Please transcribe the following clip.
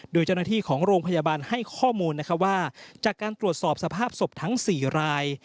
โดยเจ้าหน้าที่ของโรงพยาบาลให้ข้อมูลว่าจากการตรวจสอบสภาพศพทั้ง๔ราย